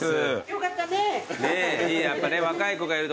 よかったね。